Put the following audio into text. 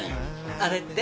あれって？